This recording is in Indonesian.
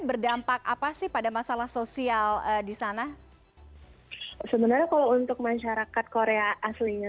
berdampak apa sih pada masalah sosial di sana sebenarnya kalau untuk masyarakat korea aslinya